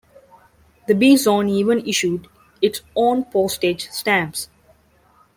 The B zone even issued its own postage stamps.